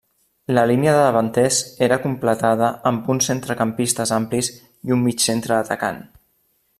La línia de davanters era completada amb uns centrecampistes amplis i un mig centre atacant.